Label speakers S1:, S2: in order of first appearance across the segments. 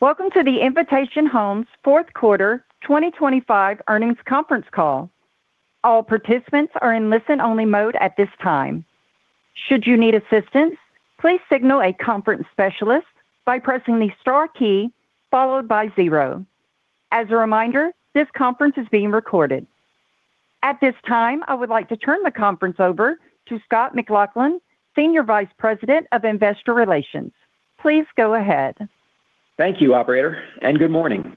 S1: Welcome to the Invitation Homes fourth quarter 2025 earnings conference call. All participants are in listen-only mode at this time. Should you need assistance, please signal a conference specialist by pressing the star key followed by zero. As a reminder, this conference is being recorded. At this time, I would like to turn the conference over to Scott McLaughlin, Senior Vice President of Investor Relations. Please go ahead.
S2: Thank you, operator, and good morning.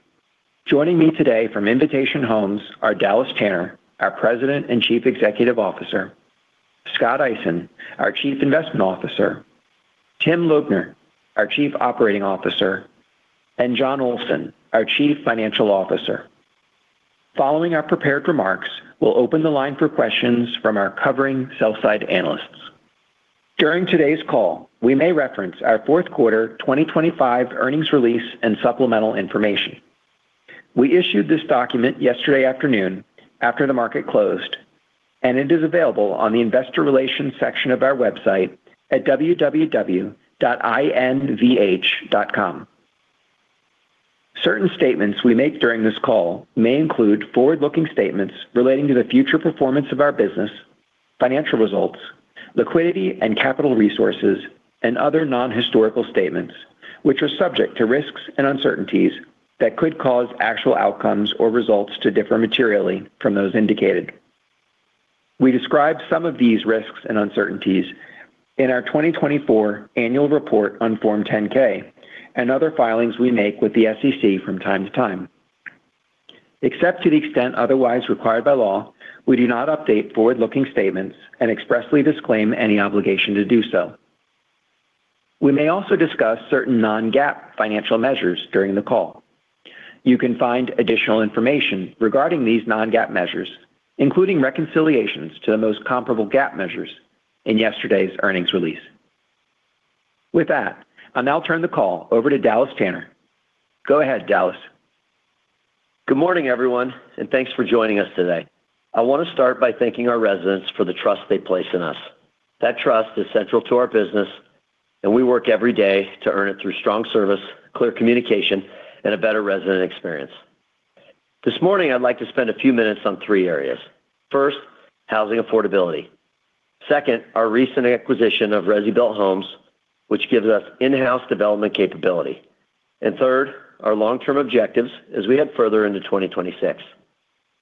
S2: Joining me today from Invitation Homes are Dallas Tanner, our President and Chief Executive Officer, Scott Eisen, our Chief Investment Officer, Tim Lobner, our Chief Operating Officer, and Jon Olsen, our Chief Financial Officer. Following our prepared remarks, we'll open the line for questions from our covering sell side analysts. During today's call, we may reference our fourth quarter 2025 earnings release and supplemental information. We issued this document yesterday afternoon after the market closed, and it is available on the Investor Relations section of our website at www.invh.com. Certain statements we make during this call may include forward-looking statements relating to the future performance of our business, financial results, liquidity and capital resources, and other non-historical statements, which are subject to risks and uncertainties that could cause actual outcomes or results to differ materially from those indicated. We describe some of these risks and uncertainties in our 2024 Annual Report on Form 10-K and other filings we make with the SEC from time to time. Except to the extent otherwise required by law, we do not update forward-looking statements and expressly disclaim any obligation to do so. We may also discuss certain non-GAAP financial measures during the call. You can find additional information regarding these non-GAAP measures, including reconciliations to the most comparable GAAP measures in yesterday's earnings release. With that, I'll now turn the call over to Dallas Tanner. Go ahead, Dallas.
S3: Good morning, everyone, and thanks for joining us today. I want to start by thanking our residents for the trust they place in us. That trust is central to our business, and we work every day to earn it through strong service, clear communication, and a better resident experience. This morning, I'd like to spend a few minutes on three areas. First, housing affordability. Second, our recent acquisition of ResiBuilt Homes, which gives us in-house development capability. Third, our long-term objectives as we head further into 2026.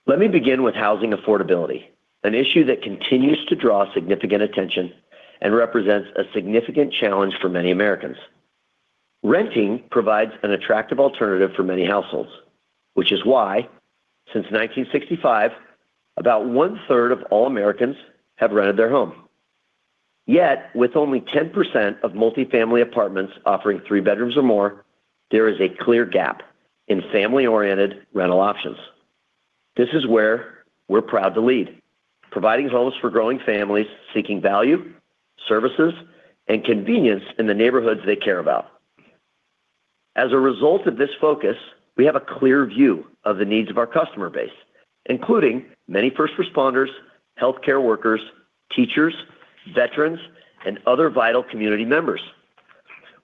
S3: Let me begin with housing affordability, an issue that continues to draw significant attention and represents a significant challenge for many Americans. Renting provides an attractive alternative for many households, which is why, since 1965, about one-third of all Americans have rented their home. Yet, with only 10% of multifamily apartments offering three bedrooms or more, there is a clear gap in family-oriented rental options. This is where we're proud to lead, providing homes for growing families seeking value, services, and convenience in the neighborhoods they care about. As a result of this focus, we have a clear view of the needs of our customer base, including many first responders, healthcare workers, teachers, veterans, and other vital community members.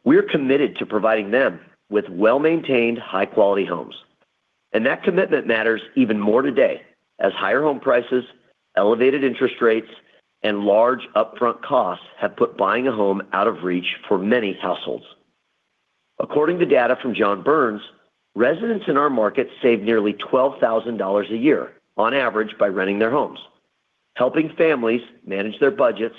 S3: We're committed to providing them with well-maintained, high-quality homes, and that commitment matters even more today as higher home prices, elevated interest rates, and large upfront costs have put buying a home out of reach for many households. According to data from John Burns, residents in our market save nearly $12,000 a year on average by renting their homes, helping families manage their budgets,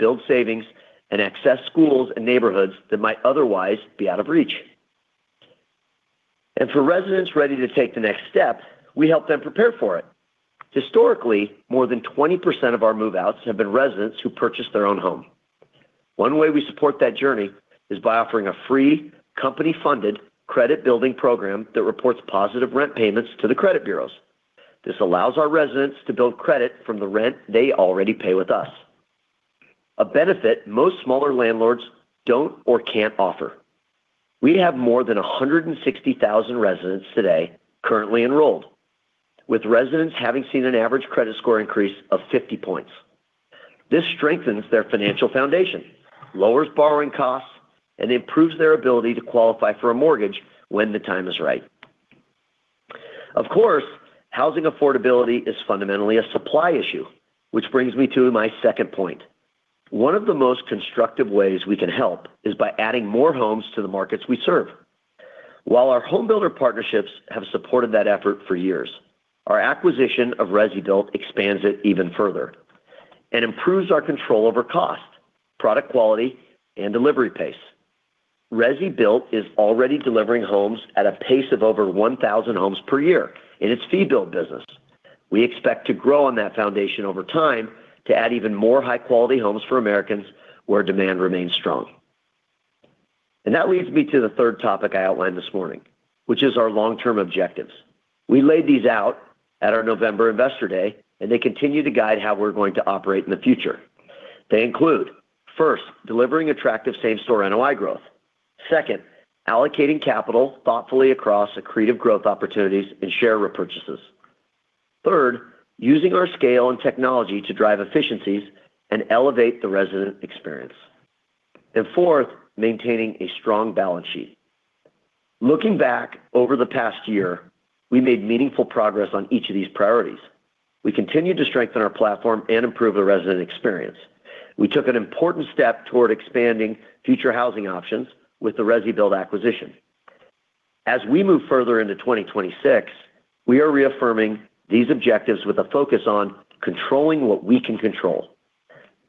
S3: build savings, and access schools and neighborhoods that might otherwise be out of reach. For residents ready to take the next step, we help them prepare for it. Historically, more than 20% of our move-outs have been residents who purchased their own home. One way we support that journey is by offering a free, company-funded credit-building program that reports positive rent payments to the credit bureaus. This allows our residents to build credit from the rent they already pay with us. A benefit most smaller landlords don't or can't offer. We have more than 160,000 residents today currently enrolled, with residents having seen an average credit score increase of 50 points. This strengthens their financial foundation, lowers borrowing costs, and improves their ability to qualify for a mortgage when the time is right. Of course, housing affordability is fundamentally a supply issue, which brings me to my second point. One of the most constructive ways we can help is by adding more homes to the markets we serve. While our home builder partnerships have supported that effort for years, our acquisition of ResiBuilt expands it even further and improves our control over cost, product quality, and delivery pace. ResiBuilt is already delivering homes at a pace of over 1,000 homes per year in its fee-build business. We expect to grow on that foundation over time to add even more high-quality homes for Americans where demand remains strong. That leads me to the third topic I outlined this morning, which is our long-term objectives. We laid these out at our November Investor Day, and they continue to guide how we're going to operate in the future. They include, first, delivering attractive same-store NOI growth. Second, allocating capital thoughtfully across accretive growth opportunities and share repurchases. Third, using our scale and technology to drive efficiencies and elevate the resident experience. Fourth, maintaining a strong balance sheet. Looking back over the past year, we made meaningful progress on each of these priorities. We continued to strengthen our platform and improve the resident experience. We took an important step toward expanding future housing options with the ResiBuilt acquisition. As we move further into 2026, we are reaffirming these objectives with a focus on controlling what we can control.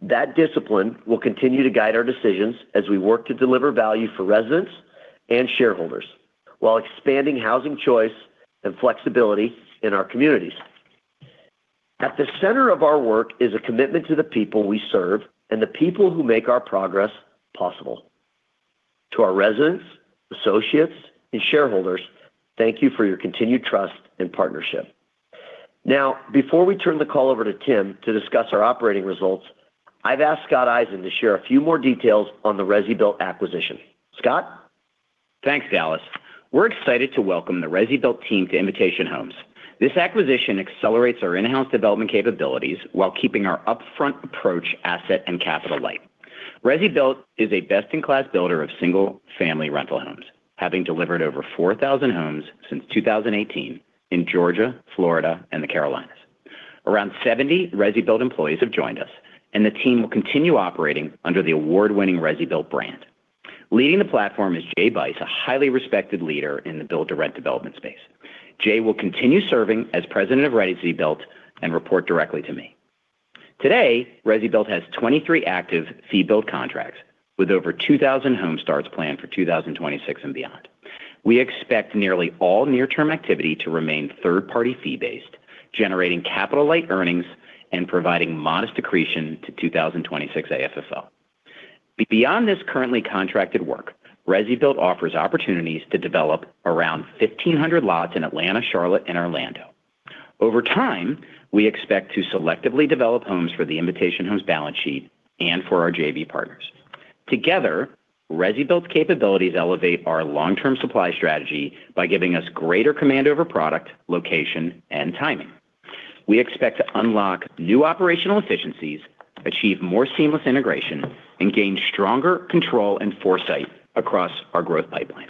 S3: That discipline will continue to guide our decisions as we work to deliver value for residents and shareholders, while expanding housing choice and flexibility in our communities. At the center of our work is a commitment to the people we serve and the people who make our progress possible. To our residents, associates, and shareholders, thank you for your continued trust and partnership. Now, before we turn the call over to Tim to discuss our operating results, I've asked Scott Eisen to share a few more details on the ResiBuilt acquisition. Scott?
S4: Thanks, Dallas. We're excited to welcome the ResiBuilt team to Invitation Homes. This acquisition accelerates our in-house development capabilities while keeping our upfront approach, asset, and capital light. ResiBuilt is a best-in-class builder of single-family rental homes, having delivered over 4,000 homes since 2018 in Georgia, Florida, and the Carolinas. Around 70 ResiBuilt employees have joined us, and the team will continue operating under the award-winning ResiBuilt brand. Leading the platform is Jay Byce, a highly respected leader in the build-to-rent development space. Jay will continue serving as President of ResiBuilt and report directly to me. Today, ResiBuilt has 23 active fee -build contracts, with over 2,000 home starts planned for 2026 and beyond. We expect nearly all near-term activity to remain third-party fee-based, generating capital-light earnings and providing modest accretion to 2026 AFFO. Beyond this currently contracted work, ResiBuilt offers opportunities to develop around 1,500 lots in Atlanta, Charlotte, and Orlando. Over time, we expect to selectively develop homes for the Invitation Homes balance sheet and for our JV partners. Together, ResiBuilt's capabilities elevate our long-term supply strategy by giving us greater command over product, location, and timing. We expect to unlock new operational efficiencies, achieve more seamless integration, and gain stronger control and foresight across our growth pipeline.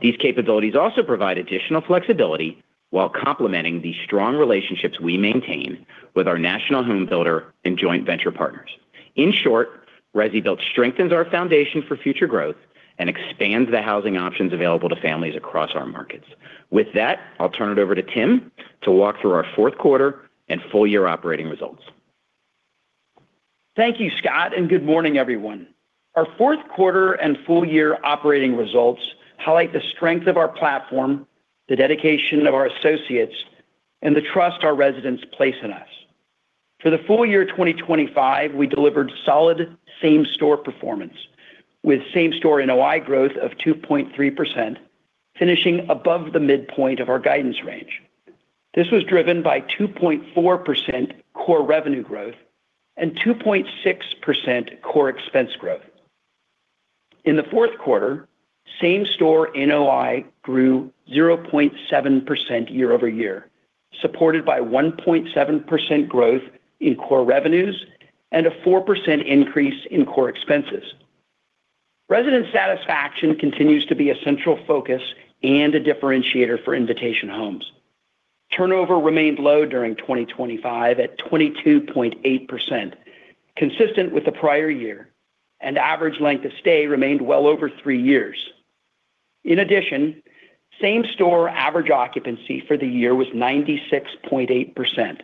S4: These capabilities also provide additional flexibility while complementing the strong relationships we maintain with our national home builder and joint venture partners. In short, ResiBuilt strengthens our foundation for future growth and expands the housing options available to families across our markets. With that, I'll turn it over to Tim to walk through our fourth quarter and full year operating results.
S5: Thank you, Scott, and good morning, everyone. Our fourth quarter and full year operating results highlight the strength of our platform, the dedication of our associates, and the trust our residents place in us. For the full year 2025, we delivered solid same-store performance, with same-store NOI growth of 2.3%, finishing above the midpoint of our guidance range. This was driven by 2.4% core revenue growth and 2.6% core expense growth. In the fourth quarter, same-store NOI grew 0.7% year-over-year, supported by 1.7% growth in core revenues and a 4% increase in core expenses. Resident satisfaction continues to be a central focus and a differentiator for Invitation Homes. Turnover remained low during 2025 at 22.8%, consistent with the prior year, and average length of stay remained well over three years. In addition, same-store average occupancy for the year was 96.8%,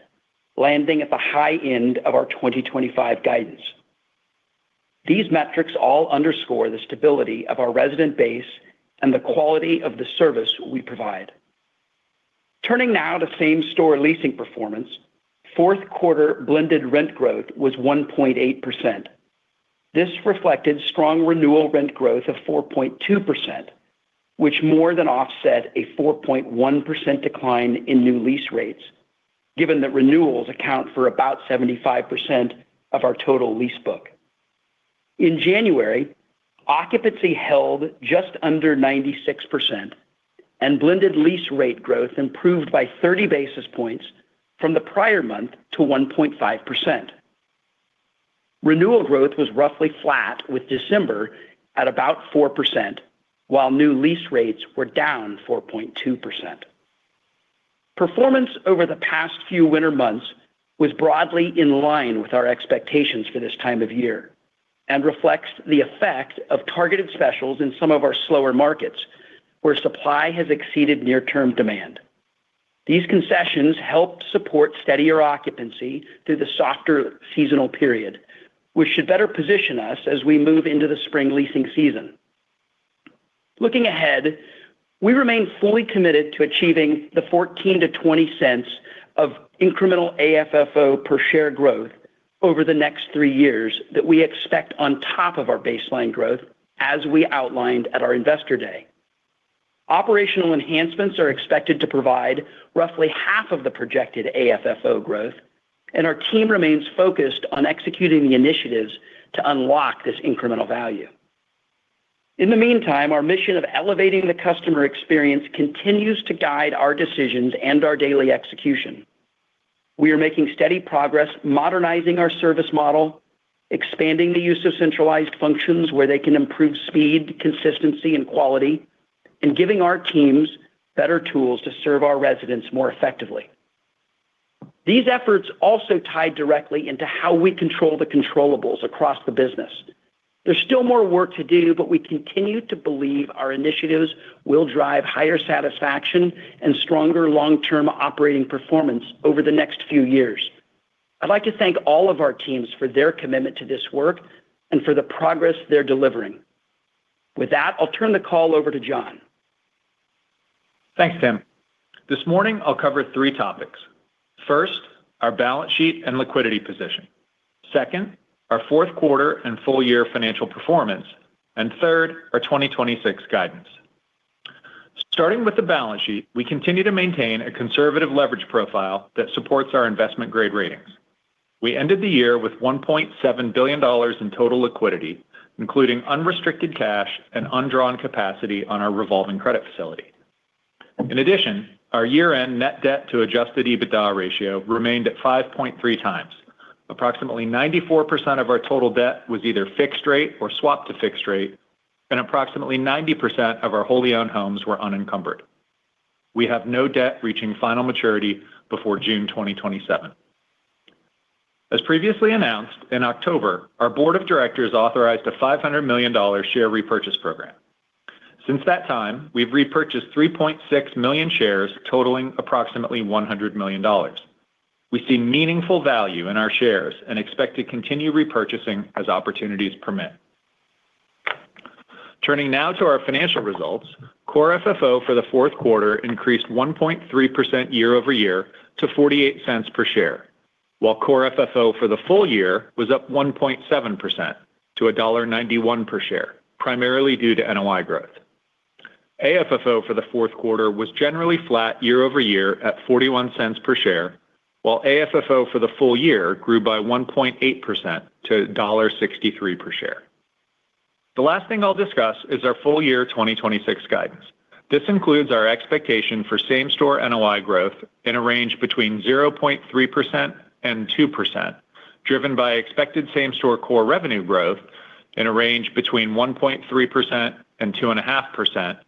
S5: landing at the high end of our 2025 guidance. These metrics all underscore the stability of our resident base and the quality of the service we provide. Turning now to same-store leasing performance, fourth quarter blended rent growth was 1.8%. This reflected strong renewal rent growth of 4.2%, which more than offset a 4.1% decline in new lease rates, given that renewals account for about 75% of our total lease book. In January, occupancy held just under 96%, and blended lease rate growth improved by 30 basis points from the prior month to 1.5%. Renewal growth was roughly flat, with December at about 4%, while new lease rates were down 4.2%. Performance over the past few winter months was broadly in line with our expectations for this time of year and reflects the effect of targeted specials in some of our slower markets, where supply has exceeded near-term demand. These concessions helped support steadier occupancy through the softer seasonal period, which should better position us as we move into the spring leasing season. Looking ahead, we remain fully committed to achieving the $0.14-$0.20 of incremental AFFO per share growth over the next three years that we expect on top of our baseline growth, as we outlined at our Investor Day. Operational enhancements are expected to provide roughly half of the projected AFFO growth, and our team remains focused on executing the initiatives to unlock this incremental value. In the meantime, our mission of elevating the customer experience continues to guide our decisions and our daily execution. We are making steady progress modernizing our service model, expanding the use of centralized functions where they can improve speed, consistency, and quality, and giving our teams better tools to serve our residents more effectively. These efforts also tie directly into how we control the controllables across the business. There's still more work to do, but we continue to believe our initiatives will drive higher satisfaction and stronger long-term operating performance over the next few years. I'd like to thank all of our teams for their commitment to this work and for the progress they're delivering. With that, I'll turn the call over to Jon.
S6: Thanks, Tim. This morning, I'll cover three topics. First, our balance sheet and liquidity position. Second, our fourth quarter and full year financial performance. Third, our 2026 guidance. Starting with the balance sheet, we continue to maintain a conservative leverage profile that supports our investment-grade ratings. We ended the year with $1.7 billion in total liquidity, including unrestricted cash and undrawn capacity on our revolving credit facility. In addition, our year-end net debt to adjusted EBITDA ratio remained at 5.3 times. Approximately 94% of our total debt was either fixed rate or swapped to fixed rate, and approximately 90% of our wholly owned homes were unencumbered. We have no debt reaching final maturity before June 2027. As previously announced, in October, our Board of Directors authorized a $500 million share repurchase program. Since that time, we've repurchased 3.6 million shares, totaling approximately $100 million. We see meaningful value in our shares and expect to continue repurchasing as opportunities permit. Turning now to our financial results, Core FFO for the fourth quarter increased 1.3% year-over-year to $0.48 per share, while Core FFO for the full year was up 1.7% to $1.91 per share, primarily due to NOI growth. AFFO for the fourth quarter was generally flat year-over-year at $0.41 per share, while AFFO for the full year grew by 1.8% to $1.63 per share. The last thing I'll discuss is our full-year 2026 guidance. This includes our expectation for same-store NOI growth in a range between 0.3% and 2%, driven by expected same-store core revenue growth in a range between 1.3% and 2.5%,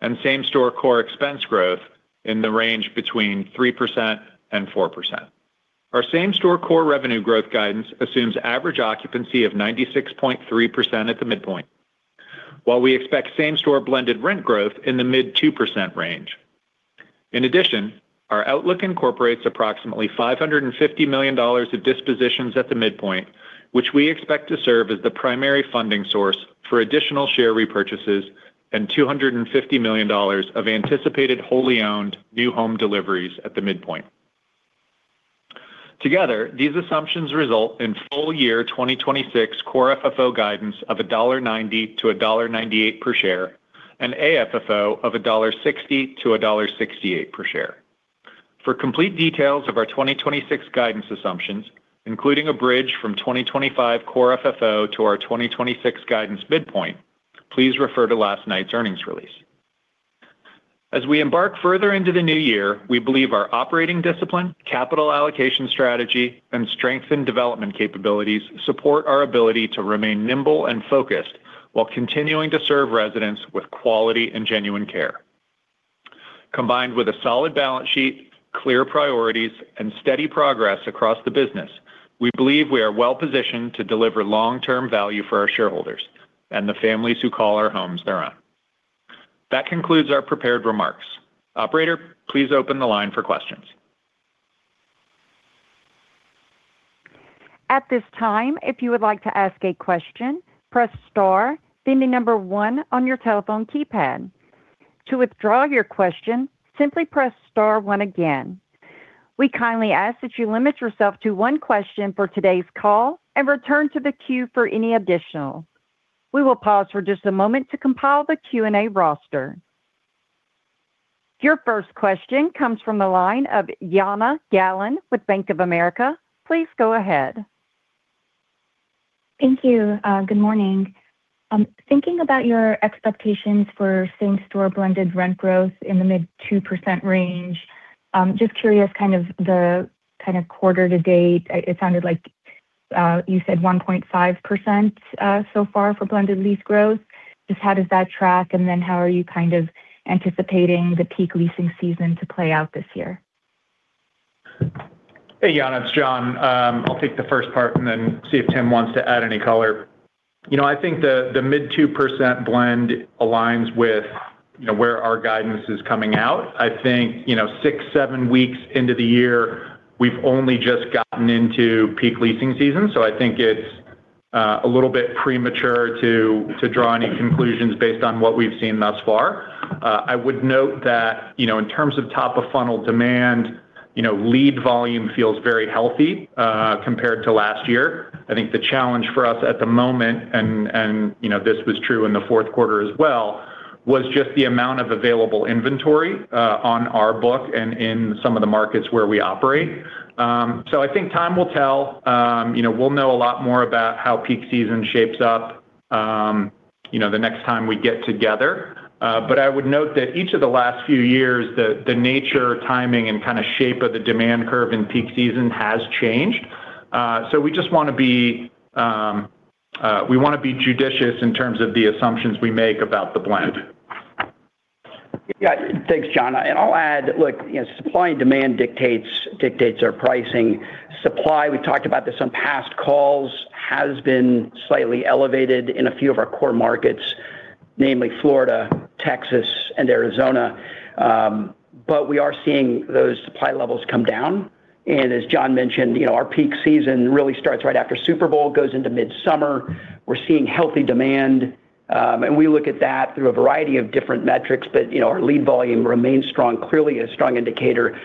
S6: and same-store core expense growth in the range between 3% and 4%. Our same-store core revenue growth guidance assumes average occupancy of 96.3% at the midpoint, while we expect same-store blended rent growth in the mid-2% range. In addition, our outlook incorporates approximately $550 million of dispositions at the midpoint, which we expect to serve as the primary funding source for additional share repurchases and $250 million of anticipated wholly owned new home deliveries at the midpoint. Together, these assumptions result in full year 2026 core FFO guidance of $1.90-$1.98 per share and AFFO of $1.60-$1.68 per share. For complete details of our 2026 guidance assumptions, including a bridge from 2025 core FFO to our 2026 guidance midpoint, please refer to last night's earnings release. As we embark further into the new year, we believe our operating discipline, capital allocation strategy, and strengthened development capabilities support our ability to remain nimble and focused while continuing to serve residents with quality and genuine care. Combined with a solid balance sheet, clear priorities, and steady progress across the business, we believe we are well positioned to deliver long-term value for our shareholders and the families who call our homes their own. That concludes our prepared remarks. Operator, please open the line for questions.
S1: At this time, if you would like to ask a question, press star, then the number one on your telephone keypad. To withdraw your question, simply press star one again. We kindly ask that you limit yourself to one question for today's call and return to the queue for any additional. We will pause for just a moment to compile the Q&A roster. Your first question comes from the line of Jana Galan with Bank of America. Please go ahead.
S7: Thank you. Good morning. Thinking about your expectations for same-store blended rent growth in the mid-2% range, just curious kind of quarter to date. It sounded like you said 1.5% so far for blended lease growth. Just how does that track, and then how are you kind of anticipating the peak leasing season to play out this year?
S6: Hey, Yana, it's Jon. I'll take the first part and then see if Tim wants to add any color. You know, I think the mid-2% blend aligns with, you know, where our guidance is coming out. I think, you know, six-seven weeks into the year, we've only just gotten into peak leasing season, so I think it's a little bit premature to draw any conclusions based on what we've seen thus far. I would note that, you know, in terms of top-of-funnel demand, you know, lead volume feels very healthy compared to last year. I think the challenge for us at the moment, and, you know, this was true in the fourth quarter as well, was just the amount of available inventory on our book and in some of the markets where we operate. So I think time will tell. You know, we'll know a lot more about how peak season shapes up, you know, the next time we get together. But I would note that each of the last few years, the nature, timing, and kind of shape of the demand curve in peak season has changed. So we just wanna be judicious in terms of the assumptions we make about the blend.
S3: Yeah. Thanks, Jon. I'll add, look, you know, supply and demand dictates, dictates our pricing. Supply, we talked about this on past calls, has been slightly elevated in a few of our core markets, namely Florida, Texas, and Arizona. But we are seeing those supply levels come down, and as Jon mentioned, you know, our peak season really starts right after Super Bowl, goes into midsummer. We're seeing healthy demand, and we look at that through a variety of different metrics, but, you know, our lead volume remains strong. Clearly a strong indicator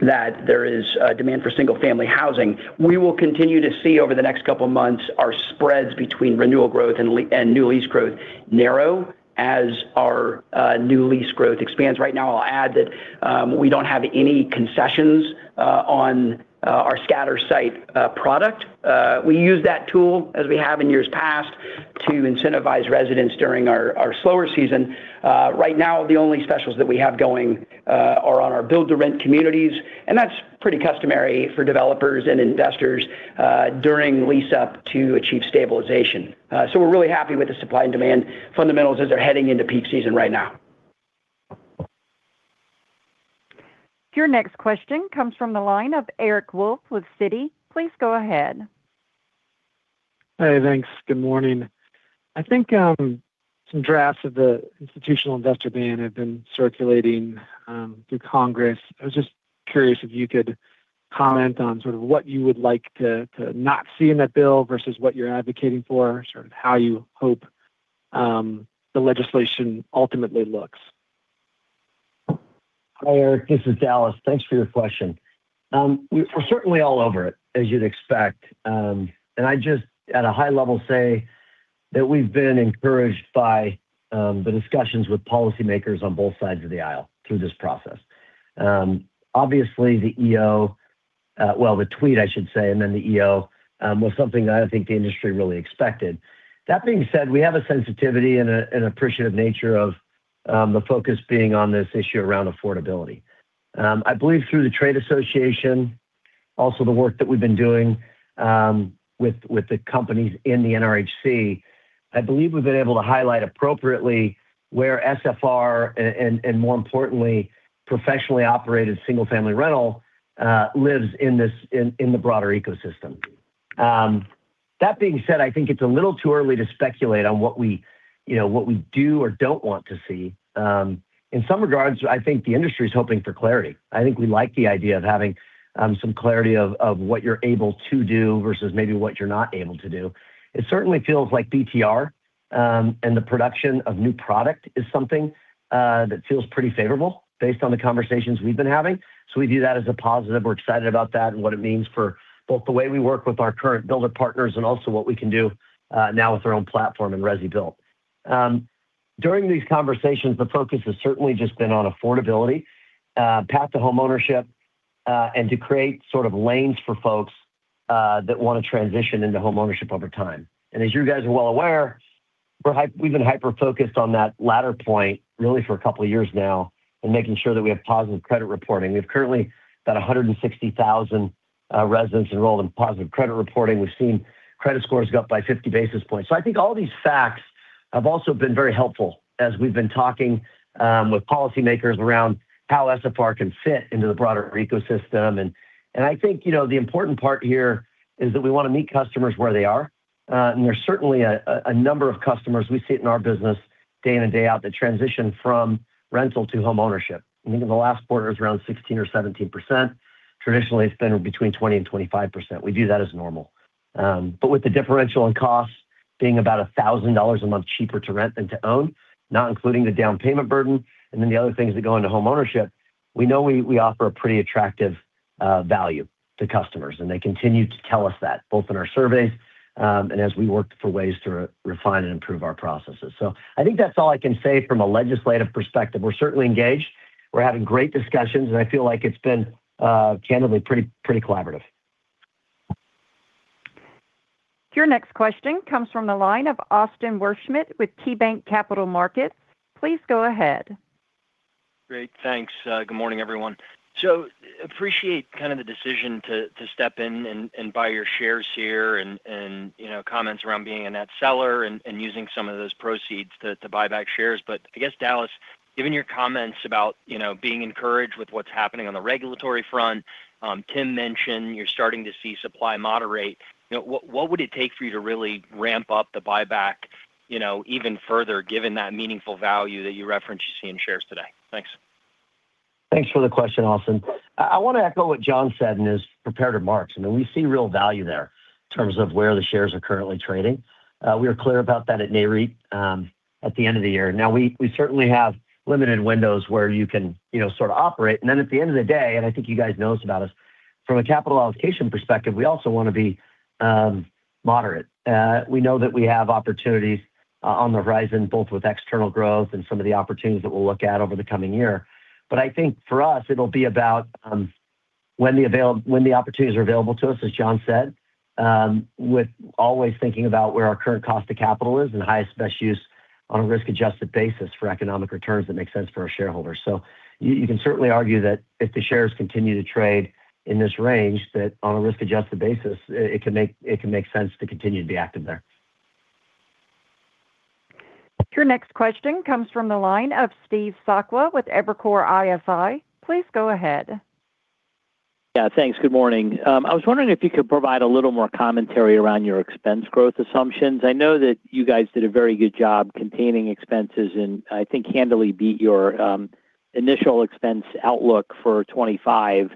S3: that there is demand for single-family housing. We will continue to see over the next couple of months, our spreads between renewal growth and new lease growth narrow as our new lease growth expands. Right now, I'll add that we don't have any concessions on our scattered site product. We use that tool as we have in years past to incentivize residents during our slower season. Right now, the only specials that we have going are on our build-to-rent communities, and that's pretty customary for developers and investors during lease-up to achieve stabilization. So we're really happy with the supply and demand fundamentals as they're heading into peak season right now.
S1: Your next question comes from the line of Eric Wolfe with Citi. Please go ahead.
S8: Hey, thanks. Good morning. I think some drafts of the institutional investor ban have been circulating through Congress. I was just curious if you could comment on sort of what you would like to not see in that bill versus what you're advocating for, sort of how you hope the legislation ultimately looks.
S3: Hi, Eric, this is Dallas. Thanks for your question. We're certainly all over it, as you'd expect. I just at a high level say that we've been encouraged by the discussions with policymakers on both sides of the aisle through this process. Obviously, the EO, well, the tweet, I should say, and then the EO, was something that I don't think the industry really expected. That being said, we have a sensitivity and a, and appreciative nature of the focus being on this issue around affordability. I believe through the trade association, also the work that we've been doing, with, with the companies in the NRHC, I believe we've been able to highlight appropriately where SFR and, and, and more importantly, professionally operated single-family rental lives in this, in the broader ecosystem. That being said, I think it's a little too early to speculate on what we, you know, what we do or don't want to see. In some regards, I think the industry is hoping for clarity. I think we like the idea of having, some clarity of, of what you're able to do versus maybe what you're not able to do. It certainly feels like BTR, and the production of new product is something, that feels pretty favorable based on the conversations we've been having. So we view that as a positive. We're excited about that and what it means for both the way we work with our current builder partners and also what we can do, now with our own platform in ResiBuilt. During these conversations, the focus has certainly just been on affordability, path to homeownership, and to create sort of lanes for folks that wanna transition into homeownership over time. And as you guys are well aware, we've been hyper-focused on that latter point, really for a couple of years now, and making sure that we have positive credit reporting. We've currently got 160,000 residents enrolled in positive credit reporting. We've seen credit scores go up by 50 basis points. So I think all these facts have also been very helpful as we've been talking with policymakers around how SFR can fit into the broader ecosystem. And I think, you know, the important part here is that we wanna meet customers where they are. And there's certainly a number of customers, we see it in our business day in and day out, that transition from rental to homeownership. I think in the last quarter, it was around 16 or 17%. Traditionally, it's been between 20 and 25%. We view that as normal. But with the differential in costs being about $1,000 a month cheaper to rent than to own, not including the down payment burden, and then the other things that go into homeownership, we know we offer a pretty attractive value to customers, and they continue to tell us that, both in our surveys, and as we worked for ways to refine and improve our processes. So I think that's all I can say from a legislative perspective. We're certainly engaged. We're having great discussions, and I feel like it's been generally pretty, pretty collaborative.
S1: Your next question comes from the line of Austin Wurschmidt with KeyBanc Capital Markets. Please go ahead.
S9: Great. Thanks. Good morning, everyone. So appreciate kind of the decision to step in and buy your shares here and, you know, comments around being a net seller and using some of those proceeds to buy back shares. But I guess, Dallas, given your comments about, you know, being encouraged with what's happening on the regulatory front, Tim mentioned you're starting to see supply moderate. You know, what would it take for you to really ramp up the buyback, you know, even further, given that meaningful value that you referenced you see in shares today? Thanks.
S3: Thanks for the question, Austin. I wanna echo what Jon said in his prepared remarks. I mean, we see real value there in terms of where the shares are currently trading. We are clear about that at NAREIT at the end of the year. Now, we certainly have limited windows where you can, you know, sort of operate. And then at the end of the day, and I think you guys know this about us. From a capital allocation perspective, we also want to be moderate. We know that we have opportunities on the horizon, both with external growth and some of the opportunities that we'll look at over the coming year. But I think for us, it'll be about when the opportunities are available to us, as Jon said, with always thinking about where our current cost of capital is and highest, best use on a risk-adjusted basis for economic returns that make sense for our shareholders. So you can certainly argue that if the shares continue to trade in this range, that on a risk-adjusted basis, it can make, it can make sense to continue to be active there.
S1: Your next question comes from the line of Steve Sakwa with Evercore ISI. Please go ahead.
S10: Yeah, thanks. Good morning. I was wondering if you could provide a little more commentary around your expense growth assumptions. I know that you guys did a very good job containing expenses, and I think handily beat your initial expense outlook for 2025.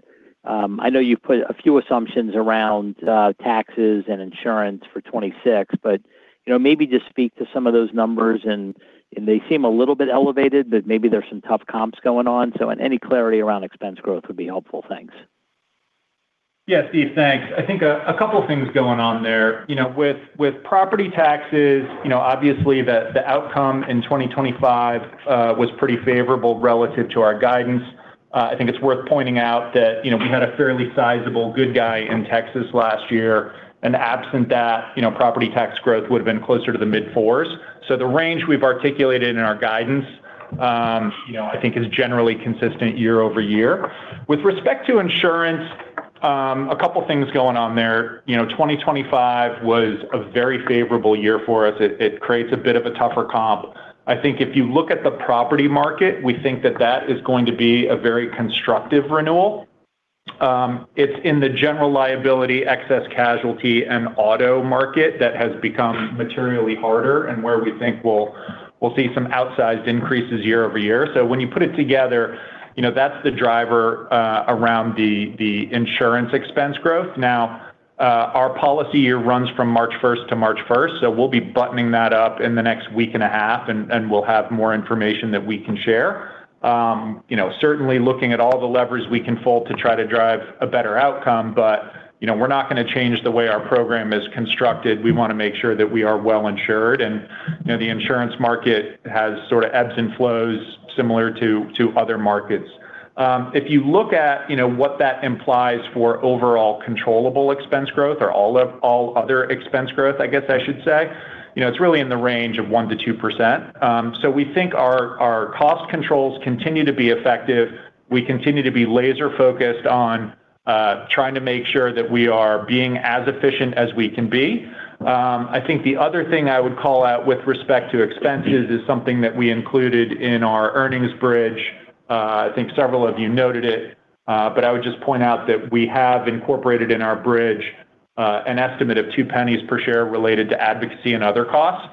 S10: I know you've put a few assumptions around taxes and insurance for 2026, but, you know, maybe just speak to some of those numbers, and they seem a little bit elevated, but maybe there's some tough comps going on. So any clarity around expense growth would be helpful. Thanks.
S6: Yeah, Steve, thanks. I think a couple things going on there. You know, with property taxes, you know, obviously the outcome in 2025 was pretty favorable relative to our guidance. I think it's worth pointing out that, you know, we had a fairly sizable good guy in Texas last year, and absent that, you know, property tax growth would have been closer to the mid-fours. So the range we've articulated in our guidance, you know, I think is generally consistent year-over-year. With respect to insurance, a couple things going on there. You know, 2025 was a very favorable year for us. It creates a bit of a tougher comp. I think if you look at the property market, we think that that is going to be a very constructive renewal. It's in the general liability, excess casualty, and auto market that has become materially harder and where we think we'll see some outsized increases year-over-year. So when you put it together, you know, that's the driver around the insurance expense growth. Now, our policy year runs from March 1st to March 1st, so we'll be buttoning that up in the next week and a half, and we'll have more information that we can share. You know, certainly looking at all the levers we can fold to try to drive a better outcome, but, you know, we're not gonna change the way our program is constructed. We want to make sure that we are well insured, and, you know, the insurance market has sort of ebbs and flows similar to other markets. If you look at, you know, what that implies for overall controllable expense growth or all of, all other expense growth, I guess I should say, you know, it's really in the range of 1%-2%. So we think our cost controls continue to be effective. We continue to be laser-focused on trying to make sure that we are being as efficient as we can be. I think the other thing I would call out with respect to expenses is something that we included in our earnings bridge. I think several of you noted it, but I would just point out that we have incorporated in our bridge an estimate of $0.02 per share related to advocacy and other costs.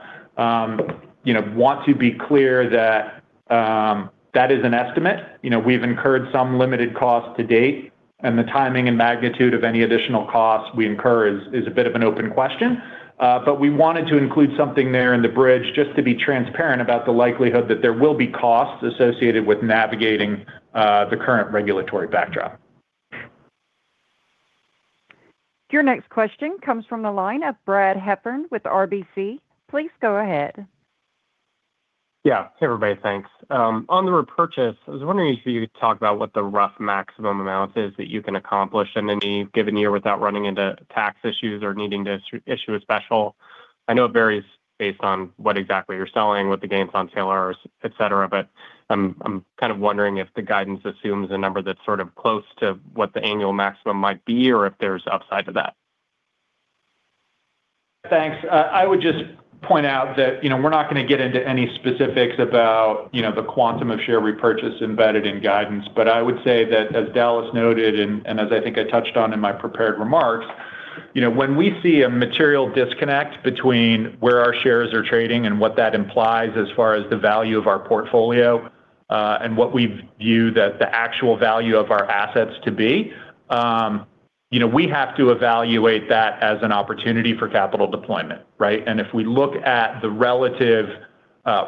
S6: You know, want to be clear that that is an estimate. You know, we've incurred some limited costs to date, and the timing and magnitude of any additional costs we incur is a bit of an open question. But we wanted to include something there in the bridge, just to be transparent about the likelihood that there will be costs associated with navigating the current regulatory backdrop.
S1: Your next question comes from the line of Brad Heffern with RBC. Please go ahead.
S11: Yeah. Hey, everybody, thanks. On the repurchase, I was wondering if you could talk about what the rough maximum amount is that you can accomplish in any given year without running into tax issues or needing to issue a special? I know it varies based on what exactly you're selling, what the gains on sale are, et cetera, but I'm, I'm kind of wondering if the guidance assumes a number that's sort of close to what the annual maximum might be, or if there's upside to that.
S6: Thanks. I would just point out that, you know, we're not gonna get into any specifics about, you know, the quantum of share repurchase embedded in guidance. But I would say that, as Dallas noted, and as I think I touched on in my prepared remarks, you know, when we see a material disconnect between where our shares are trading and what that implies, as far as the value of our portfolio, and what we view that the actual value of our assets to be, you know, we have to evaluate that as an opportunity for capital deployment, right? And if we look at the relative,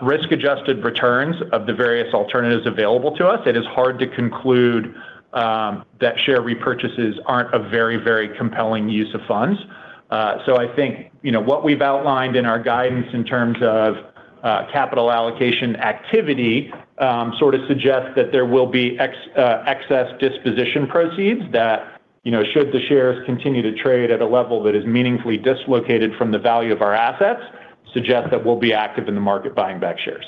S6: risk-adjusted returns of the various alternatives available to us, it is hard to conclude, that share repurchases aren't a very, very compelling use of funds. So, I think, you know, what we've outlined in our guidance in terms of capital allocation activity sort of suggests that there will be excess disposition proceeds that, you know, should the shares continue to trade at a level that is meaningfully dislocated from the value of our assets, suggest that we'll be active in the market buying back shares.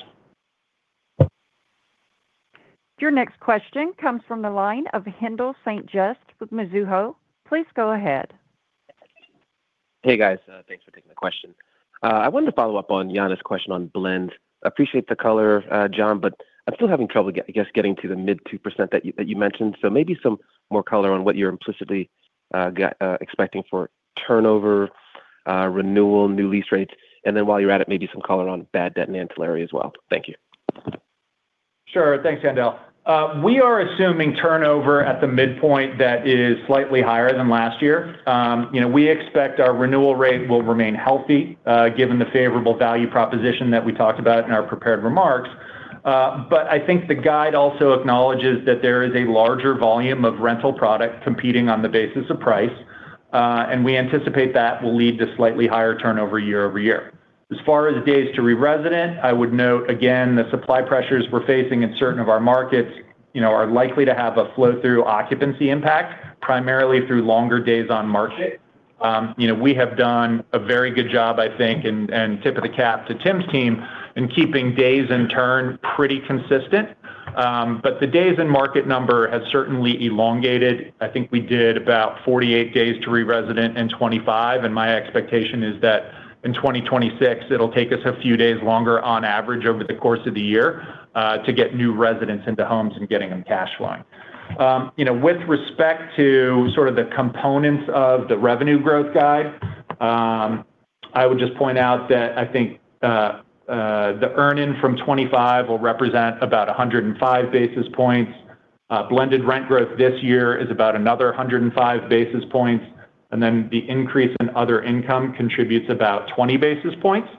S1: Your next question comes from the line of Haendel St. Juste with Mizuho. Please go ahead.
S12: Hey, guys. Thanks for taking the question. I wanted to follow up on Jana's question on blend. Appreciate the color, Jon, but I'm still having trouble getting to the mid-2% that you mentioned. So maybe some more color on what you're implicitly expecting for turnover, renewal, new lease rates, and then while you're at it, maybe some color on bad debt and ancillary as well. Thank you.
S6: Sure. Thanks, Haendel. We are assuming turnover at the midpoint that is slightly higher than last year. You know, we expect our renewal rate will remain healthy, given the favorable value proposition that we talked about in our prepared remarks. But I think the guide also acknowledges that there is a larger volume of rental product competing on the basis of price, and we anticipate that will lead to slightly higher turnover year-over-year. As far as days to re-resident, I would note again, the supply pressures we're facing in certain of our markets, you know, are likely to have a flow through occupancy impact, primarily through longer days on market. You know, we have done a very good job, I think, and tip of the cap to Tim's team in keeping days in turn pretty consistent. But the days in market number has certainly elongated. I think we did about 48 days to re-resident in 2025, and my expectation is that in 2026, it'll take us a few days longer on average over the course of the year, to get new residents into homes and getting them cash flowing. You know, with respect to sort of the components of the revenue growth guide, I would just point out that I think, the earn in from 2025 will represent about 105 basis points. Blended Rent Growth this year is about another 105 basis points, and then the increase in other income contributes about 20 basis points.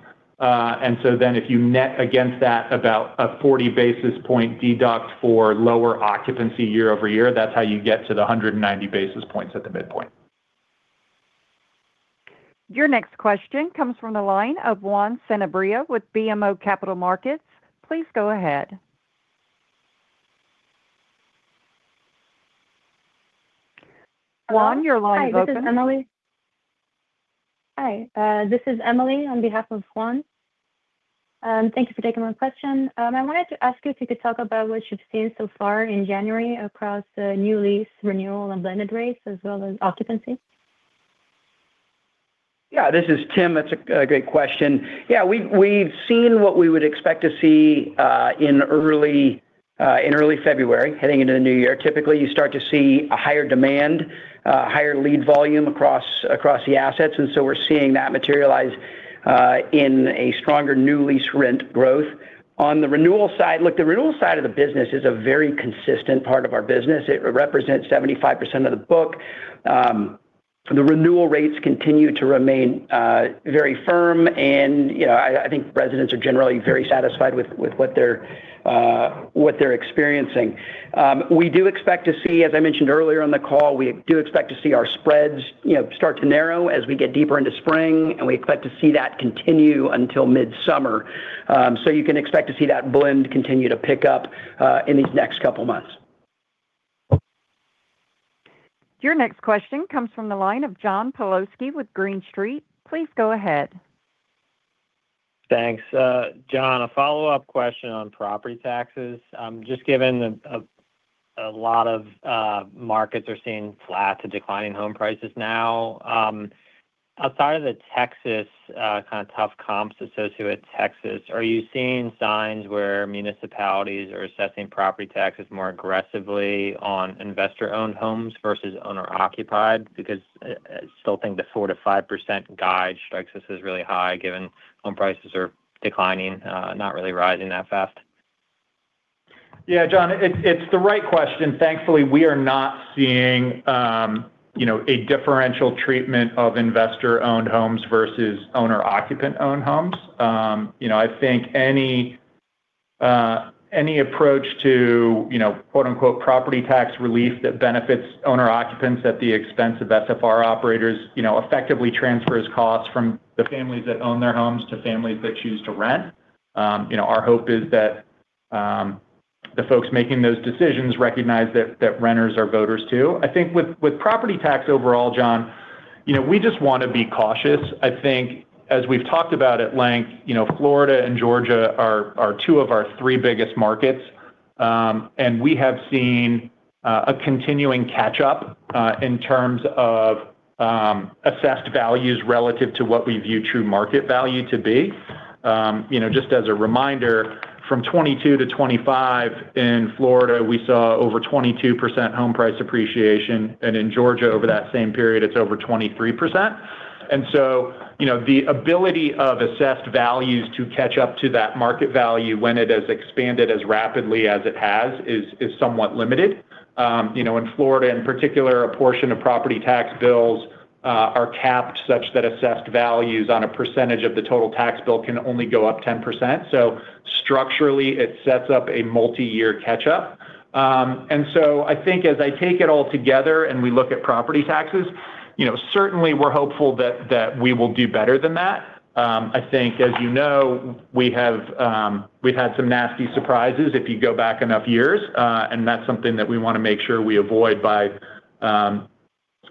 S6: If you net against that, about a 40 basis point deduct for lower occupancy year-over-year, that's how you get to the 190 basis points at the midpoint.
S1: Your next question comes from the line of Juan Sanabria with BMO Capital Markets. Please go ahead. Juan, your line is open.
S13: Hi, this is Emily. Hi, this is Emily on behalf of Juan. Thank you for taking my question. I wanted to ask you if you could talk about what you've seen so far in January across the new lease renewal and blended rates as well as occupancy.
S5: Yeah, this is Tim. That's a great question. Yeah, we've seen what we would expect to see in early February. Heading into the new year, typically you start to see a higher demand, higher lead volume across the assets, and so we're seeing that materialize in a stronger new lease rent growth. On the renewal side, look, the renewal side of the business is a very consistent part of our business. It represents 75% of the book. The renewal rates continue to remain very firm, and, you know, I think residents are generally very satisfied with what they're experiencing. We do expect to see, as I mentioned earlier on the call, we do expect to see our spreads, you know, start to narrow as we get deeper into spring, and we expect to see that continue until mid-summer. So you can expect to see that blend continue to pick up in these next couple of months.
S1: Your next question comes from the line of John Pawlowski with Green Street. Please go ahead.
S14: Thanks. Jon, a follow-up question on property taxes. Just given a lot of markets are seeing flat to declining home prices now, outside of the Texas kind of tough comps associated with Texas, are you seeing signs where municipalities are assessing property taxes more aggressively on investor-owned homes versus owner-occupied? Because I still think the 4%-5% guide strikes us as really high, given home prices are declining, not really rising that fast.
S6: Yeah, John, it's the right question. Thankfully, we are not seeing, you know, a differential treatment of investor-owned homes versus owner-occupant-owned homes. You know, I think any approach to, you know, quote-unquote, "property tax relief" that benefits owner occupants at the expense of SFR operators, you know, effectively transfers costs from the families that own their homes to families that choose to rent. You know, our hope is that the folks making those decisions recognize that renters are voters, too. I think with property tax overall, John, you know, we just want to be cautious. I think as we've talked about at length, you know, Florida and Georgia are two of our three biggest markets, and we have seen a continuing catch up in terms of assessed values relative to what we view true market value to be. You know, just as a reminder, from 2022-2025 in Florida, we saw over 22% home price appreciation, and in Georgia over that same period, it's over 23%. And so, you know, the ability of assessed values to catch up to that market value when it has expanded as rapidly as it has is somewhat limited. You know, in Florida in particular, a portion of property tax bills are capped such that assessed values on a percentage of the total tax bill can only go up 10%. So structurally, it sets up a multi-year catch up. And so I think as I take it all together and we look at property taxes, you know, certainly we're hopeful that we will do better than that. I think, as you know, we have, we've had some nasty surprises if you go back enough years, and that's something that we want to make sure we avoid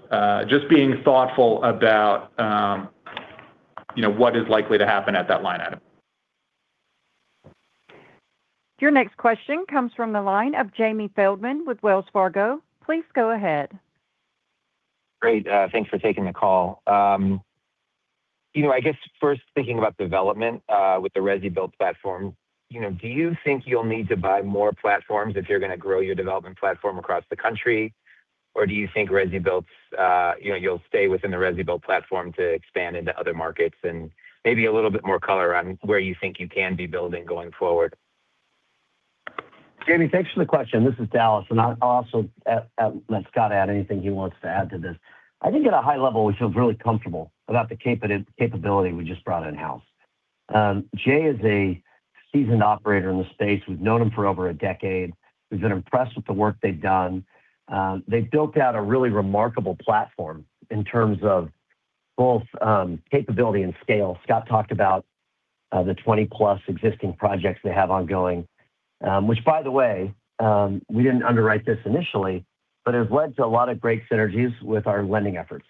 S6: by just being thoughtful about, you know, what is likely to happen at that line item.
S1: Your next question comes from the line of Jamie Feldman with Wells Fargo. Please go ahead.
S15: Great. Thanks for taking the call. You know, I guess first thinking about development, with the ResiBuilt platform, you know, do you think you'll need to buy more platforms if you're going to grow your development platform across the country? Or do you think ResiBuilt's, you know, you'll stay within the ResiBuilt platform to expand into other markets? And maybe a little bit more color on where you think you can be building going forward.
S3: Jamie, thanks for the question. This is Dallas, and I'll also let Scott add anything he wants to add to this. I think at a high level, we feel really comfortable about the capability we just brought in-house. Jay is a seasoned operator in the space. We've known him for over a decade. We've been impressed with the work they've done. They've built out a really remarkable platform in terms of both, capability and scale. Scott talked about the 20+ existing projects they have ongoing, which by the way, we didn't underwrite this initially, but it has led to a lot of great synergies with our lending efforts,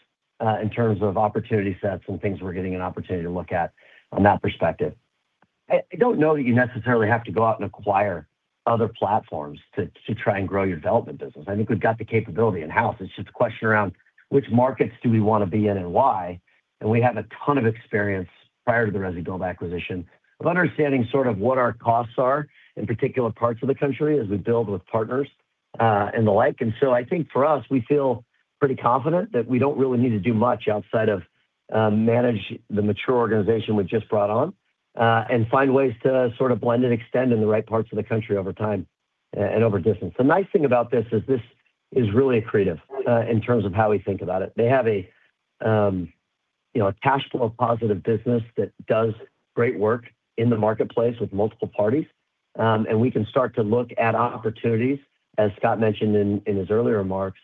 S3: in terms of opportunity sets and things we're getting an opportunity to look at from that perspective. I don't know that you necessarily have to go out and acquire other platforms to try and grow your development business. I think we've got the capability in-house. It's just a question around which markets do we want to be in and why? And we have a ton of experience prior to the ResiBuilt acquisition, of understanding sort of what our costs are in particular parts of the country as we build with partners, and the like. And so I think for us, we feel pretty confident that we don't really need to do much outside of manage the mature organization we've just brought on, and find ways to sort of blend and extend in the right parts of the country over time, and over distance. The nice thing about this is this is really accretive, in terms of how we think about it. They have a, you know, a cash flow positive business that does great work in the marketplace with multiple parties. We can start to look at opportunities, as Scott mentioned in his earlier remarks,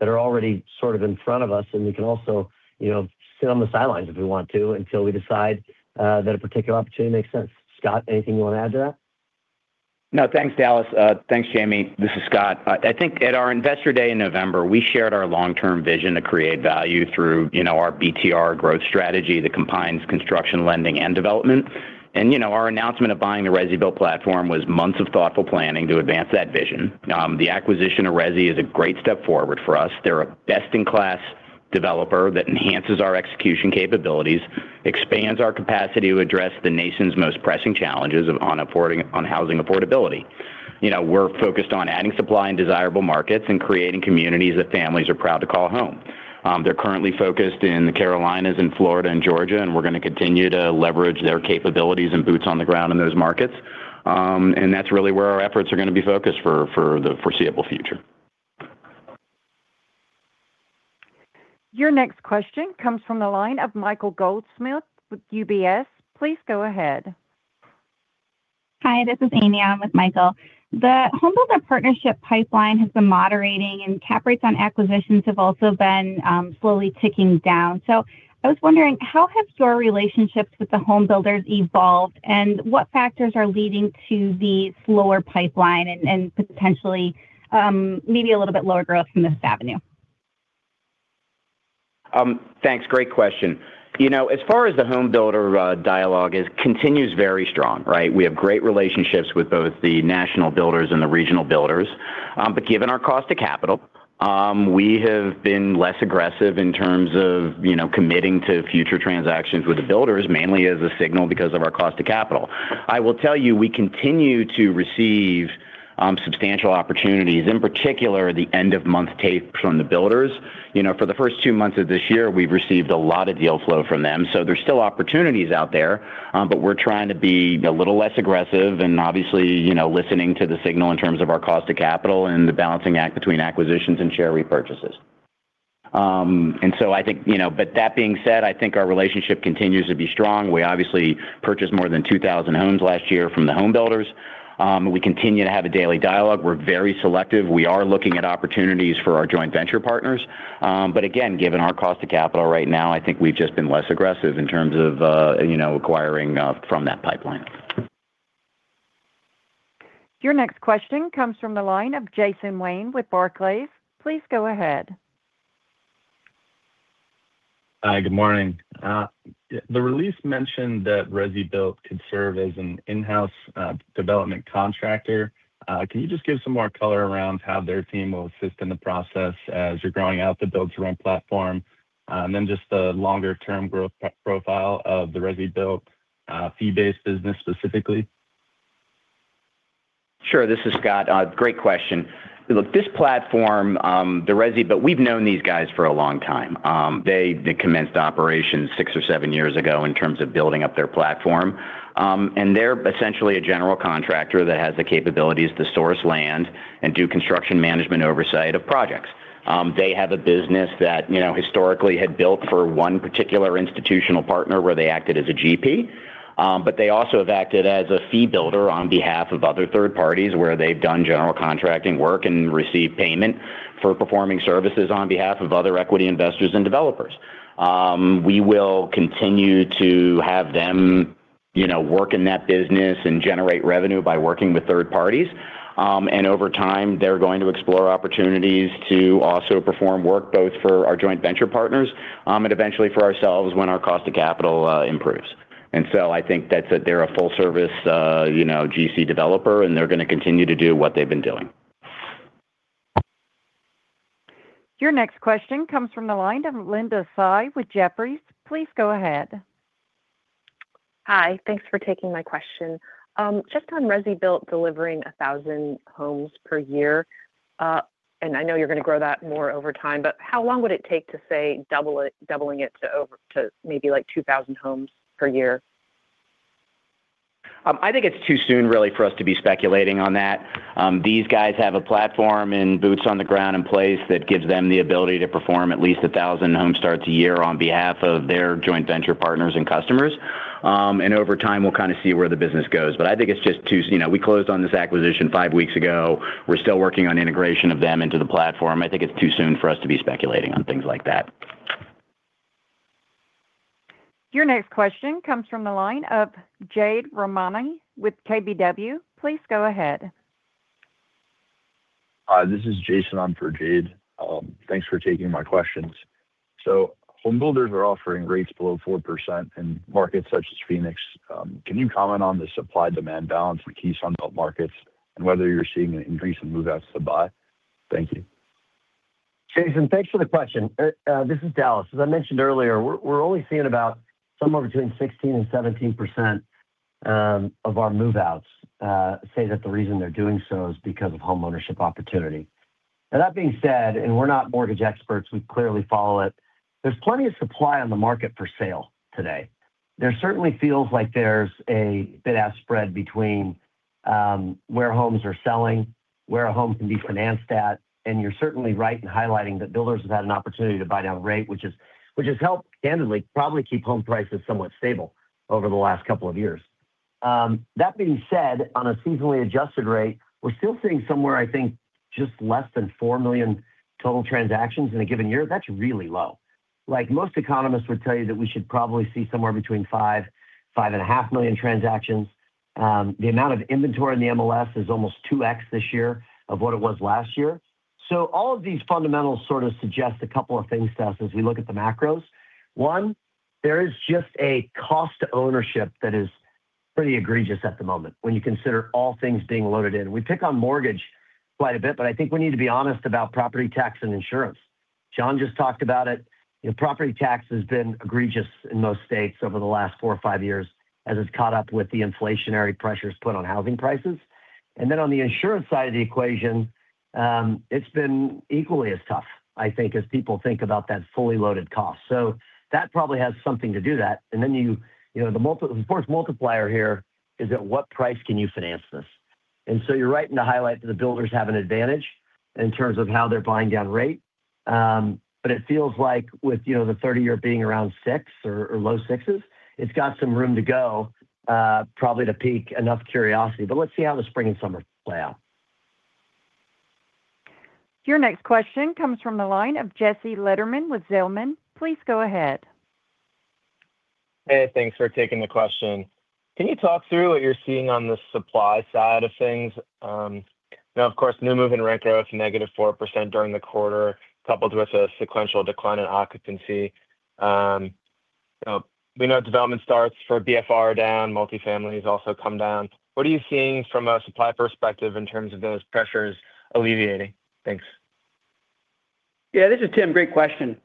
S3: that are already sort of in front of us, and we can also, you know, sit on the sidelines if we want to, until we decide, that a particular opportunity makes sense. Scott, anything you want to add to that?
S4: No, thanks, Dallas. Thanks, Jamie. This is Scott. I think at our Investor Day in November, we shared our long-term vision to create value through, you know, our BTR growth strategy that combines construction, lending, and development. And, you know, our announcement of buying the ResiBuilt platform was months of thoughtful planning to advance that vision. The acquisition of Resi is a great step forward for us. They're a best-in-class developer that enhances our execution capabilities, expands our capacity to address the nation's most pressing challenges of on affording-- on housing affordability. You know, we're focused on adding supply in desirable markets and creating communities that families are proud to call home. They're currently focused in the Carolinas and Florida and Georgia, and we're going to continue to leverage their capabilities and boots on the ground in those markets. That's really where our efforts are going to be focused for the foreseeable future.
S1: Your next question comes from the line of Michael Goldsmith with UBS. Please go ahead.
S16: Hi, this is Amy. I'm with Michael. The homebuilder partnership pipeline has been moderating, and cap rates on acquisitions have also been slowly ticking down. So I was wondering, how have your relationships with the homebuilders evolved, and what factors are leading to the slower pipeline and, and potentially, maybe a little bit lower growth from this avenue?
S4: Thanks. Great question. You know, as far as the homebuilder dialogue continues very strong, right? We have great relationships with both the national builders and the regional builders. But given our cost of capital, we have been less aggressive in terms of, you know, committing to future transactions with the builders, mainly as a signal because of our cost of capital. I will tell you, we continue to receive substantial opportunities, in particular, the end-of-month tape from the builders. You know, for the first two months of this year, we've received a lot of deal flow from them. So there's still opportunities out there, but we're trying to be a little less aggressive and obviously, you know, listening to the signal in terms of our cost of capital and the balancing act between acquisitions and share repurchases. And so I think. You know, but that being said, I think our relationship continues to be strong. We obviously purchased more than 2,000 homes last year from the homebuilders. We continue to have a daily dialogue. We're very selective. We are looking at opportunities for our joint venture partners. But again, given our cost of capital right now, I think we've just been less aggressive in terms of, you know, acquiring from that pipeline.
S1: Your next question comes from the line of Jason Wayne with Barclays. Please go ahead.
S17: Hi, good morning. The release mentioned that ResiBuilt could serve as an in-house development contractor. Can you just give some more color around how their team will assist in the process as you're growing out the build-to-rent platform? And then just the longer-term growth profile of the ResiBuilt fee-based business specifically.
S4: Sure. This is Scott. Great question. Look, this platform, the ResiBuilt, but we've known these guys for a long time. They commenced operations six or seven years ago in terms of building up their platform. They're essentially a general contractor that has the capabilities to source land and do construction management oversight of projects. They have a business that, you know, historically had built for one particular institutional partner where they acted as a GP. But they also have acted as a fee builder on behalf of other third parties, where they've done general contracting work and received payment for performing services on behalf of other equity investors and developers. We will continue to have them, you know, work in that business and generate revenue by working with third parties. And over time, they're going to explore opportunities to also perform work both for our joint venture partners and eventually for ourselves when our cost of capital improves. And so I think that's a full service, you know, GC developer, and they're going to continue to do what they've been doing.
S1: Your next question comes from the line of Linda Tsai with Jefferies. Please go ahead.
S18: Hi, thanks for taking my question. Just on ResiBuilt delivering 1,000 homes per year. I know you're going to grow that more over time, but how long would it take to, say, double it, doubling it to over, to maybe like 2,000 homes per year?
S4: I think it's too soon, really, for us to be speculating on that. These guys have a platform and boots on the ground in place that gives them the ability to perform at least 1,000 home starts a year on behalf of their joint venture partners and customers. And over time, we'll kind of see where the business goes. But I think it's just too. You know, we closed on this acquisition five weeks ago. We're still working on integration of them into the platform. I think it's too soon for us to be speculating on things like that.
S1: Your next question comes from the line of Jade Rahmani with KBW. Please go ahead.
S19: This is Jason on for Jade. Thanks for taking my questions. Homebuilders are offering rates below 4% in markets such as Phoenix. Can you comment on the supply-demand balance in key Sun Belt markets and whether you're seeing an increase in move-outs to buy? Thank you.
S3: Jason, thanks for the question. This is Dallas. As I mentioned earlier, we're, we're only seeing about somewhere between 16% and 17% of our move-outs say that the reason they're doing so is because of homeownership opportunity. Now, that being said, and we're not mortgage experts, we clearly follow it, there's plenty of supply on the market for sale today. There certainly feels like there's a bid-ask spread between where homes are selling, where a home can be financed at, and you're certainly right in highlighting that builders have had an opportunity to buy down rate, which has, which has helped, candidly, probably keep home prices somewhat stable over the last couple of years. That being said, on a seasonally adjusted rate, we're still seeing somewhere, I think, just less than 4 million total transactions in a given year. That's really low. Like, most economists would tell you that we should probably see somewhere between 5-5.5 million transactions. The amount of inventory in the MLS is almost 2x this year of what it was last year. So all of these fundamentals sort of suggest a couple of things to us as we look at the macros. One, there is just a cost to ownership that is pretty egregious at the moment when you consider all things being loaded in. We pick on mortgage quite a bit, but I think we need to be honest about property tax and insurance. Jon just talked about it. You know, property tax has been egregious in most states over the last four or five years, as it's caught up with the inflationary pressures put on housing prices. Then on the insurance side of the equation, it's been equally as tough, I think, as people think about that fully loaded cost. So that probably has something to do with that. And then you, you know, the multiplier here is at what price can you finance this? And so you're right in the highlight that the builders have an advantage in terms of how they're buying down rate. But it feels like with, you know, the 30-year being around 6 or low 6s, it's got some room to go, probably to pique enough curiosity. But let's see how the spring and summer play out.
S1: Your next question comes from the line of Jesse Lederman with Zelman. Please go ahead.
S20: Hey, thanks for taking the question. Can you talk through what you're seeing on the supply side of things? Now, of course, new move-in rent growth, negative 4% during the quarter, coupled with a sequential decline in occupancy. We know development starts for BTR are down, multifamily has also come down. What are you seeing from a supply perspective in terms of those pressures alleviating? Thanks.
S5: Yeah, this is Tim. Great question.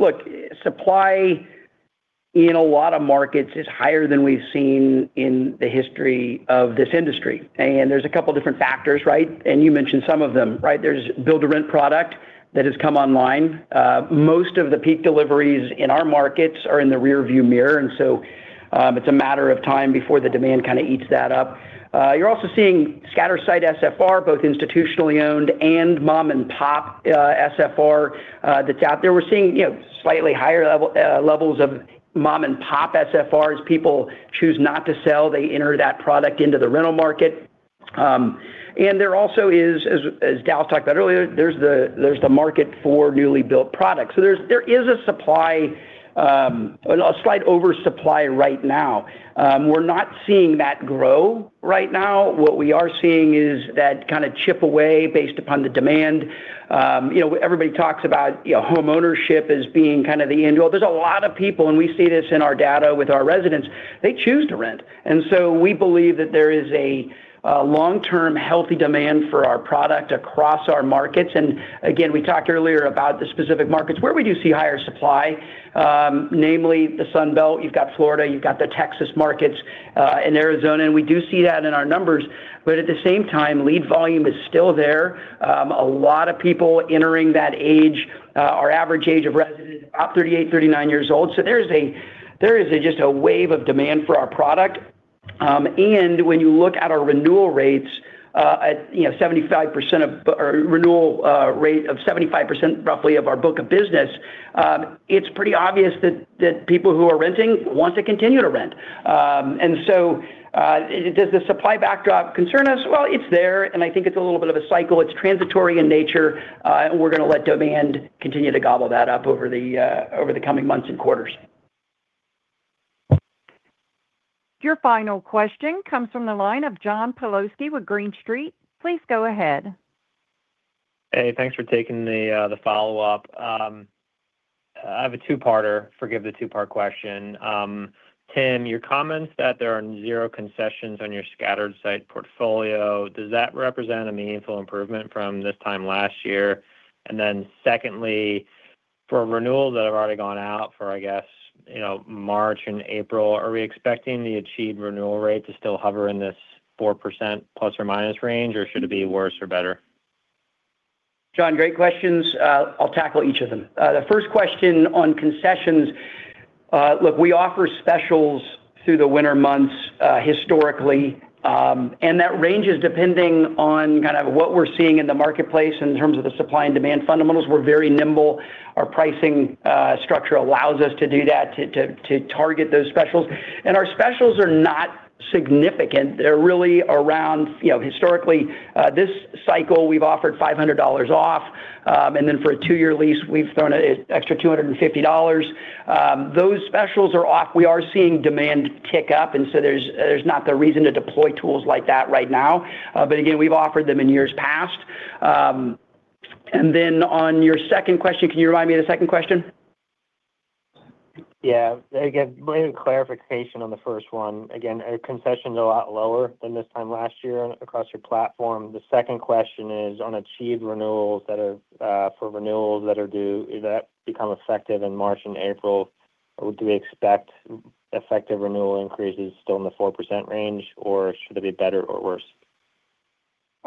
S5: Look, supply in a lot of markets is higher than we've seen in the history of this industry, and there's a couple different factors, right? And you mentioned some of them, right? There's build-to-rent product that has come online. Most of the peak deliveries in our markets are in the rearview mirror, and so, it's a matter of time before the demand kind of eats that up. You're also seeing scattered site SFR, both institutionally owned and mom-and-pop, SFR, that's out there. We're seeing, you know, slightly higher level, levels of mom-and-pop SFR. As people choose not to sell, they enter that product into the rental market. And there also is, as, as Dallas talked about earlier, there's the, there's the market for newly built products. So there is a supply, a slight oversupply right now. We're not seeing that grow right now. What we are seeing is that kind of chip away based upon the demand. You know, everybody talks about, you know, homeownership as being kind of the end goal. There's a lot of people, and we see this in our data with our residents, they choose to rent. And so we believe that there is a long-term healthy demand for our product across our markets. And again, we talked earlier about the specific markets. Where would you see higher supply? Namely the Sun Belt. You've got Florida, you've got the Texas markets, and Arizona, and we do see that in our numbers. But at the same time, lead volume is still there. A lot of people entering that age, our average age of resident is about 38, 39 years old. So there's a, there is a just a wave of demand for our product. And when you look at our renewal rates, at, you know, 75% of-- or renewal, rate of 75%, roughly of our book of business, it's pretty obvious that, that people who are renting want to continue to rent. And so, does the supply backdrop concern us? Well, it's there, and I think it's a little bit of a cycle. It's transitory in nature, and we're going to let demand continue to gobble that up over the, over the coming months and quarters.
S1: Your final question comes from the line of John Pawlowski with Green Street. Please go ahead.
S14: Hey, thanks for taking the follow-up. I have a two-parter. Forgive the two-part question. Tim, your comments that there are zero concessions on your scattered site portfolio, does that represent a meaningful improvement from this time last year? And then secondly, for renewals that have already gone out for, I guess, you know, March and April, are we expecting the achieved renewal rate to still hover in this 4% plus or minus range, or should it be worse or better?
S5: John, great questions, I'll tackle each of them. The first question on concessions, look, we offer specials through the winter months, historically, and that ranges depending on kind of what we're seeing in the marketplace in terms of the supply and demand fundamentals. We're very nimble. Our pricing structure allows us to do that, to target those specials. And our specials are not significant. They're really around... You know, historically, this cycle, we've offered $500 off, and then for a two-year lease, we've thrown an extra $250. Those specials are off. We are seeing demand tick up, and so there's not the reason to deploy tools like that right now. But again, we've offered them in years past. Then on your second question, can you remind me of the second question?
S14: Yeah. Again, maybe a clarification on the first one. Again, are concessions a lot lower than this time last year across your platform? The second question is, on achieved renewals that are, for renewals that are due, is that become effective in March and April, or do we expect effective renewal increases still in the 4% range, or should it be better or worse?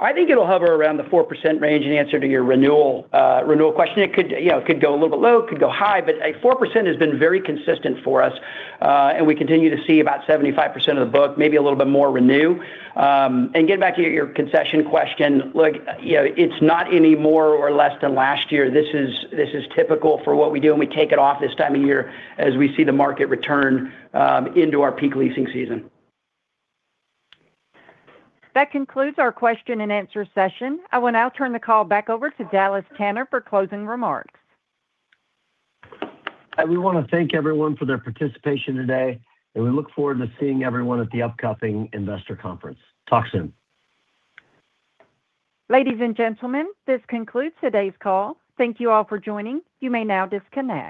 S5: I think it'll hover around the 4% range, in answer to your renewal, renewal question. It could, you know, it could go a little bit low, it could go high, but a 4% has been very consistent for us, and we continue to see about 75% of the book, maybe a little bit more renew. And getting back to your, your concession question, look, you know, it's not any more or less than last year. This is, this is typical for what we do, and we take it off this time of year as we see the market return into our peak leasing season.
S1: That concludes our question and answer session. I will now turn the call back over to Dallas Tanner for closing remarks.
S3: I really wanna thank everyone for their participation today, and we look forward to seeing everyone at the upcoming investor conference. Talk soon.
S1: Ladies and gentlemen, this concludes today's call. Thank you all for joining. You may now disconnect.